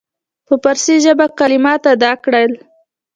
په فارسي ژبه کلمات ادا کړل.